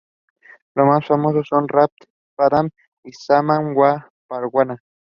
Los más famosos son "Rat-Padam" y "Shama-wa-parwanah".